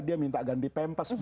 dia minta ganti pempes